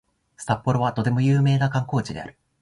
札幌はとても有名な観光地である